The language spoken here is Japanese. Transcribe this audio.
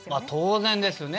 当然ですね。